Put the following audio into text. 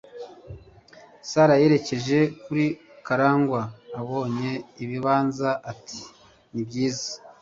Sarah yerekeje kuri Karangwa abonye ibibanza ati: Nibyiza.